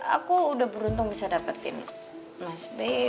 aku udah beruntung bisa dapetin mas b